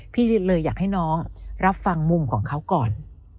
พี่เลยอยากให้น้องรับฟังมุมของเขาก่อน